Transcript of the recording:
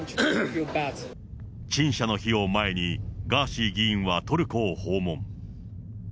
陳謝の日を前に、ガーシー議員はトルコを訪問。